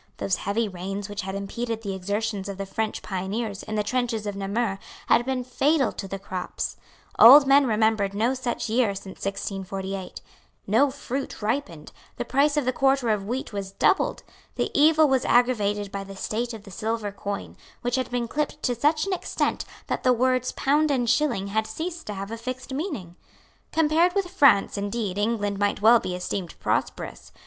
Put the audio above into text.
Those heavy rains which had impeded the exertions of the French pioneers in the trenches of Namur had been fatal to the crops. Old men remembered no such year since 1648. No fruit ripened. The price of the quarter of wheat doubled. The evil was aggravated by the state of the silver coin, which had been clipped to such an extent that the words pound and shilling had ceased to have a fixed meaning. Compared with France indeed England might well be esteemed prosperous.